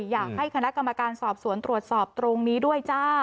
อยากให้คณะกรรมการสอบสวนตรวจสอบตรงนี้ด้วยจ้า